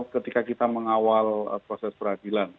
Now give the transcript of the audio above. ketika kita mengawal proses peradilan